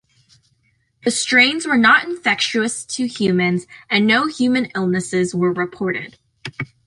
The strains were not infectious to humans, and no human illnesses were reported.